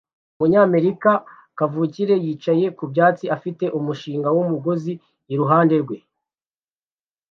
Umunyamerika kavukire yicaye ku byatsi afite umushinga wumugozi iruhande rwe